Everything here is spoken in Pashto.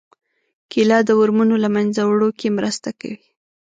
کېله د ورمونو له منځه وړو کې مرسته کوي.